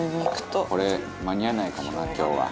これ間に合わないかもな今日は」